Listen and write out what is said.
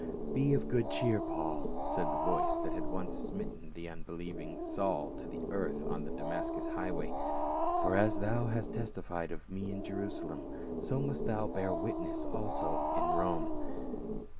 "Be of good cheer, Paul," said the voice that had once smitten the unbelieving Saul to the earth on the Damascus highway, " for as thou hast testified of me in Jerusalem, so must thou bear witness also at Rome."